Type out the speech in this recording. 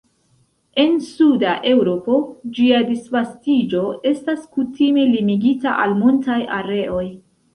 En suda Eŭropo, ĝia disvastiĝo estas kutime limigita al montaj areoj.